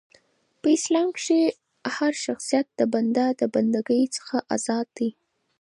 په اسلام کښي هرشخصیت د بنده د بنده ګۍ څخه ازاد دي .